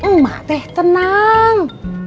mbak teh tenang